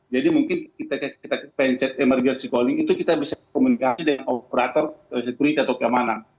jadi mungkin kita pencet emergency calling itu kita bisa komunikasi dengan operator security atau keamanan